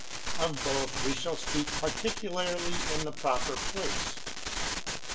Of both we shall speak particularly in the pro per place.